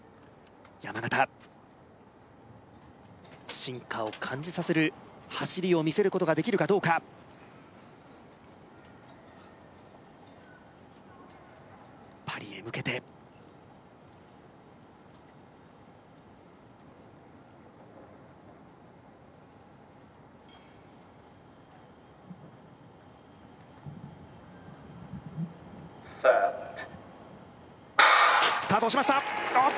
山縣進化を感じさせる走りを見せることができるかどうかパリへ向けてＳｅｔスタートをしましたあっ